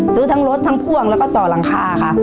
ซื้อทั้งรถทั้งพ่วงแล้วก็ต่อหลังคาค่ะ